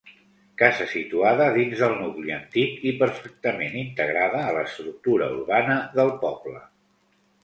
Casa situada dins del nucli antic i perfectament integrada a l'estructura urbana del poble.